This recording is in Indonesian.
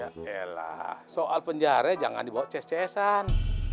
ya elah soal penjara jangan dibawa cs csan